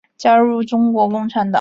加入中国共产党。